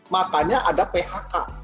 makanya ada phk